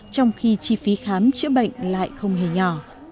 trong khi chi phí khám chữa bệnh lại không hề nhỏ